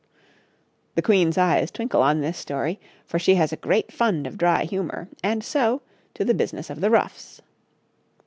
The Queen's eyes twinkle on this story, for she has a great fund of dry humour and so, to the business of the ruffs.